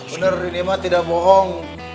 benar ini mah tidak bohong